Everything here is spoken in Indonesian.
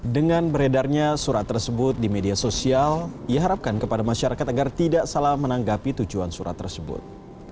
dengan beredarnya surat tersebut di media sosial ia harapkan kepada masyarakat agar tidak salah menanggapi tujuan surat tersebut